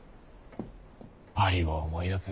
パリを思い出す。